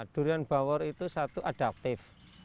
durian bawor itu satu adaptif